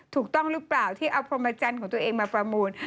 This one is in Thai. ถูกต้องหรือเปล่าที่เอาพรหมจันทร์ของตัวเองมาประมูล